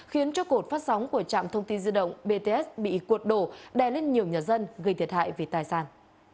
khiến cho cột phát sóng của trạm thông tin di động bts bị cuột đổ đè lên nhiều nhà dân gây thiệt hại về tài sản